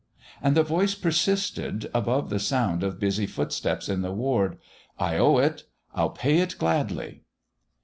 And the voice persisted above the sound of busy footsteps in the ward: "I owe it ... I'll pay it gladly...!"